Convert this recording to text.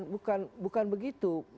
bukan bukan begitu